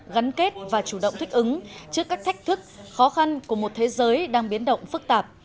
gắn kết và chủ động thích ứng trước các thách thức khó khăn của một thế giới đang biến động phức tạp